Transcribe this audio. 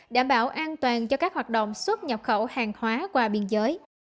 đảm bảo an toàn cho các hoạt động xuất nhập khẩu hàng hóa qua biên giới